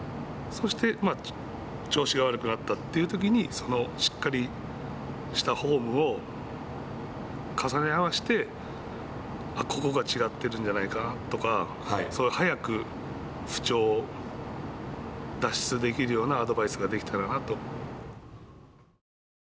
そして調子が悪くなったというときにしっかりしたフォームを重ね合わせてここが違ってるんじゃないかとか早く不調を脱出できるようなアドバイスができたらなと。